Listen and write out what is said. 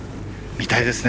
見たいですね。